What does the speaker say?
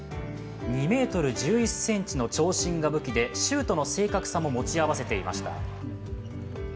２ｍ１１ｃｍの長身が武器で、シュートの正確さも持ち合わせていました。